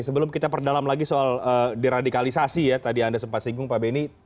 sebelum kita perdalam lagi soal deradikalisasi ya tadi anda sempat singgung pak benny